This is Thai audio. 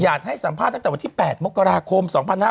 หยาดให้สัมภาพตั้งแต่เมื่อที่๘มกราคม๒๕๕๑